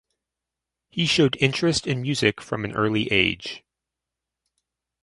He showed interest in music from an early age.